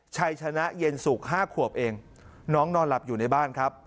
ชัยชนะเย็นสุก๕ขวบเองน้องนอนหลับอยู่ในบ้านครับ